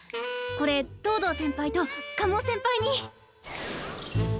これ東堂先輩と加茂先輩に。